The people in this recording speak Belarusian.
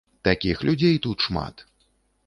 Такіх людзей тут шмат.